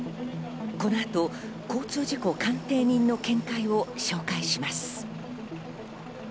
この後、交通事故鑑定人の見解を紹介します。